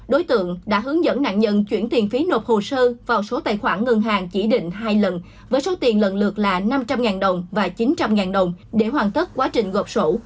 đối tượng đã hướng dẫn nạn nhân chuyển tiền phí nộp hồ sơ vào số tài khoản ngân hàng chỉ định hai lần với số tiền lần lượt là năm trăm linh đồng và chín trăm linh đồng để hoàn tất quá trình gộp sổ